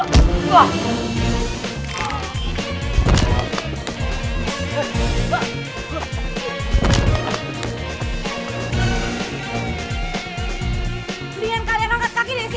ayo cepat rumuhkan tempat ini